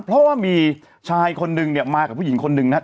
เพราะว่ามีชายคนนึงเนี่ยมากับผู้หญิงคนหนึ่งนะครับ